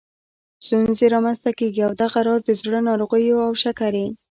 ستونزې رامنځته کېږي او دغه راز د زړه ناروغیو او شکرې